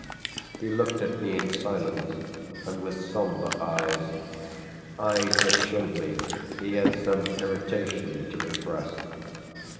He looked at me in silence and with sombre eyes eyes that showed me he had some irritation to repress.